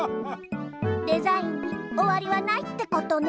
デザインにおわりはないってことね。